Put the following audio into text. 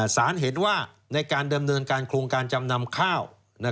สารเห็นว่าในการดำเนินการโครงการจำนำข้าว